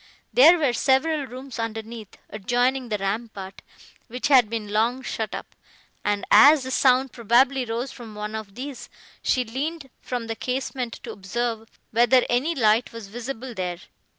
There were several rooms underneath, adjoining the rampart, which had been long shut up, and, as the sound probably rose from one of these, she leaned from the casement to observe, whether any light was visible there.